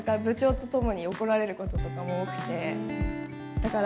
だから。